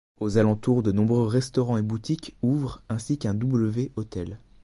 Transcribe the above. Aux alentours de nombreux restaurants et boutiques ouvrent ainsi qu'un W Hotel.